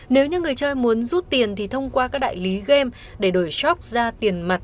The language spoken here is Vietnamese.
nếu như người chơi muốn rút tiền thì thông qua các đại lý game để đổi shop ra tiền mặt